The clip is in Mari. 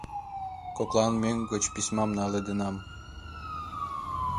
Коклан мӧҥгӧ гыч письмам наледенам.